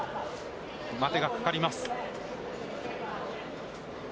待てがかかります。